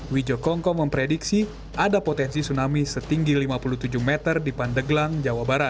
wijokongko memprediksi ada potensi tsunami setinggi lima puluh tujuh meter di pandeglang jawa barat